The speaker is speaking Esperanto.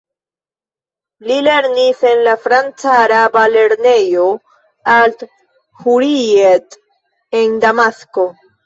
Li lernis en la franca-araba lernejo al-Hurrijet en Damasko.